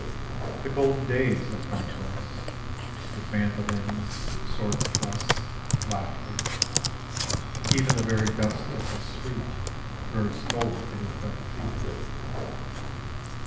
The golden days have come for us: With mandolins, sword thrusts, laughter. Even the very dust of the street Grows gold beneath our feet.